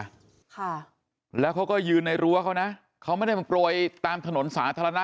ค่ะแล้วเขาก็ยืนในรั้วเขานะเขาไม่ได้มาโปรยตามถนนสาธารณะ